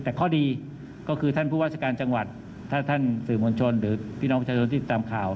แต่ข้อดีก็คือท่านผู้ว่าราชการจังหวัดถ้าท่านสื่อมวลชนหรือพี่น้องประชาชนที่ตามข่าว